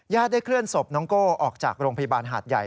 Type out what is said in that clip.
ได้เคลื่อนศพน้องโก้ออกจากโรงพยาบาลหาดใหญ่